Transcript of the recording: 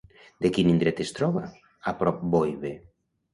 De quin indret es troba a prop Boibe?